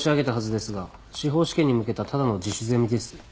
司法試験に向けたただの自主ゼミです。